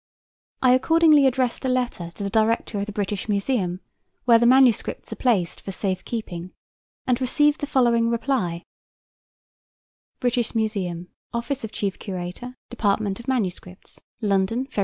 I accordingly addressed a letter to the Director of the British Museum, where the manuscripts are placed for safe keeping, and received the following reply: BRITISH MUSEUM, OFFICE OF CHIEF CURATOR, DEPARTMENT OF MANUSCRIPTS, LONDON, Feb.